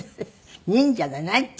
忍者じゃないって。